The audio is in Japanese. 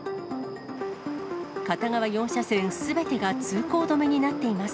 片側４車線すべてが通行止めになっています。